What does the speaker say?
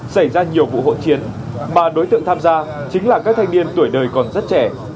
xảy ra nhiều vụ hỗn chiến mà đối tượng tham gia chính là các thanh niên tuổi đời còn rất trẻ